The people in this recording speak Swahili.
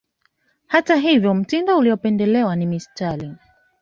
Hata hivyo mtindo uliopendelewa ni mistari